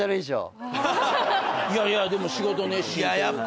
いやいやでも仕事熱心というか。